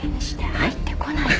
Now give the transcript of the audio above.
入ってこないで。